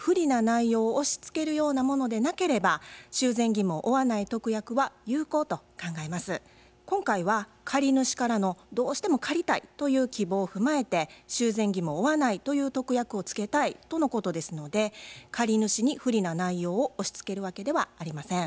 全体的に見て今回は借り主からのどうしても借りたいという希望を踏まえて修繕義務を負わないという特約をつけたいとのことですので借り主に不利な内容を押しつけるわけではありません。